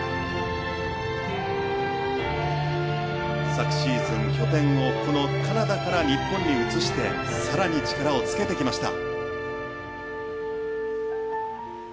昨シーズン、拠点をこのカナダから日本に移して更に力をつけてきました。